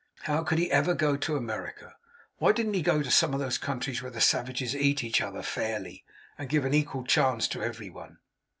How could he ever go to America! Why didn't he go to some of those countries where the savages eat each other fairly, and give an equal chance to every one!